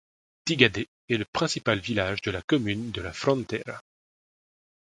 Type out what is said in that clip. Tigaday est le principal village de la commune de La Frontera.